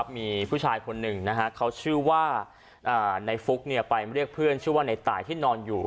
มีผู้ชายคนหนึ่งฟุ๊คไปเรียกเพื่อนชื่อว่าไหนตายที่นอนอยู่